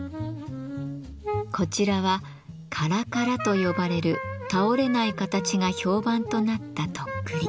こちらは「カラカラ」と呼ばれる倒れない形が評判となったとっくり。